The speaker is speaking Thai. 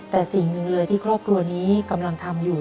แต่สิ่งหนึ่งเลยที่ครอบครัวนี้กำลังทำอยู่